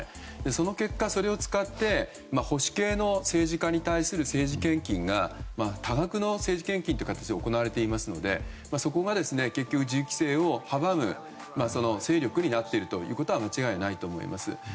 その結果、それを使って保守系の政治家に対する政治献金が多額の政治献金という形で行われていますのでそこが結局銃規制を阻む勢力になっていることは間違いないと思います。